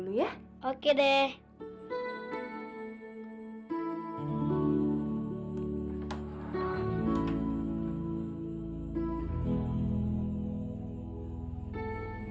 mudah mudahan pak ratih mau mengajari menterasa kami